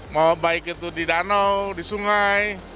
mau baik itu di danau di sungai